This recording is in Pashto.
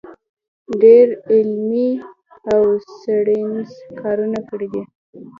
ډېر علمي او څېړنیز کارونه کړي دی